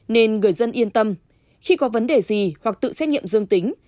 nên người dân yên tâm khi có vấn đề gì hoặc tự xét nghiệm dương tính